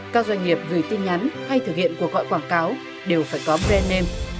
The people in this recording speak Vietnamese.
các doanh nghiệp gửi tin nhắn hay thực hiện cuộc gọi quảng cáo đều phải có brand name